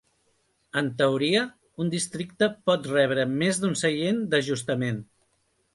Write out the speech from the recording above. En teoria, un districte pot rebre més d'un seient d'ajustament.